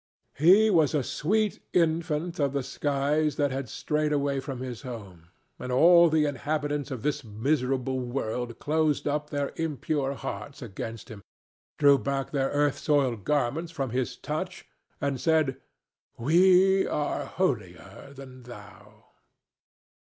He was a sweet infant of the skies that had strayed away from his home, and all the inhabitants of this miserable world closed up their impure hearts against him, drew back their earth soiled garments from his touch and said, "We are holier than thou."